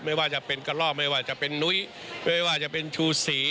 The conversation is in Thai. ไม่ว่าจะเป็นกระลอกไม่ว่าจะเป็นนุ้ยไม่ว่าจะเป็นชูสี